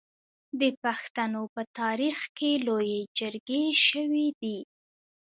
د پښتنو په تاریخ کې لویې جرګې شوي دي.